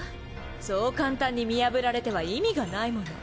そう簡単に見破られては意味がないもの。